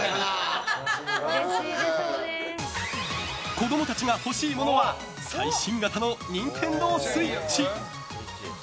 子供たちが欲しいものは最新型のＮｉｎｔｅｎｄｏＳｗｉｔｃｈ。